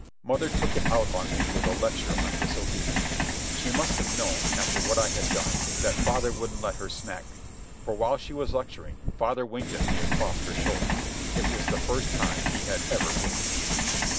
Mother took it out on me with a lecture on disobedience. She must have known, after what I had done, that father wouldn't let her smack me; for, while she was lecturing, father winked at me across her shoulder. It was the first time he had ever winked at me.